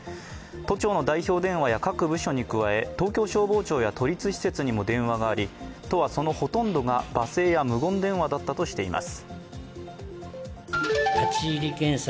都庁の代表電話や各部署に加え、東京消防庁や都立施設などにも電話があり、都はそのほとんどが罵声や無言電話だったとしています。